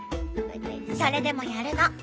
それでもやるの！